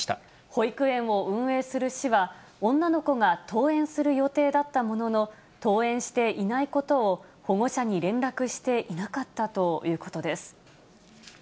保育園を運営する市は、女の子が登園する予定だったものの、登園していないことを保護者に連絡していなかったということです。